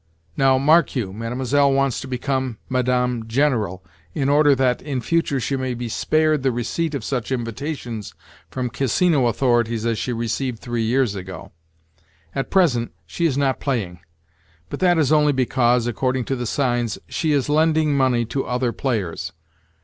Now, mark you, Mlle. wants to become Madame General, in order that, in future, she may be spared the receipt of such invitations from Casino authorities as she received three years ago. At present she is not playing; but that is only because, according to the signs, she is lending money to other players.